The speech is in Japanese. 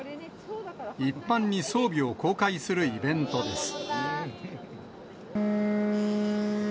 一般に装備を公開するイベントです。